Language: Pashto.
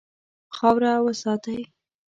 خاوره وساتئ.